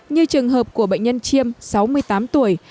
như trường hợp của bệnh nhân chiêm sáu mươi tám tuổi